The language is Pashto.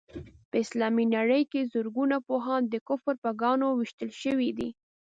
په اسلامي نړۍ کې زرګونه پوهان د کفر په ګاڼو ويشتل شوي دي.